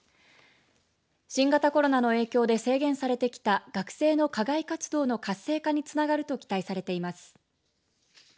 新型コロナの影響で制限されてきた学生の課外活動の活性化につながると期待されています。